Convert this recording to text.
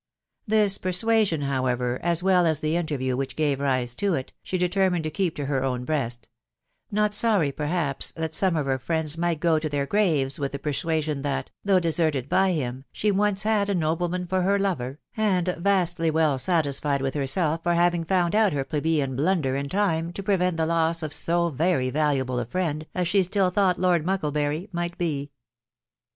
This persuasion, however, as well as the interview which gave rise to it, she determined to keep to her own breast ; not sorry, perhaps, that some of her friends might go to thdr graves with the persuasion that, though deserted by him, she once had a nobleman for her lover, and vastly well satisfied with herself for having found out her plebeian blunder in time to prevent the loss of so very valuable a friend as she snll thought Lord Mucklebury might be.